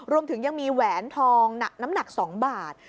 รวมถึงยังมีแหวนทองน้ำหนัก๒บาท